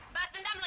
bahas dendam lo ya